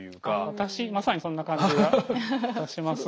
私まさにそんな感じはいたします。